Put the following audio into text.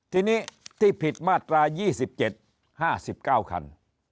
ทีนี้ที่ผิดมาตรา๒๗๕๙คัน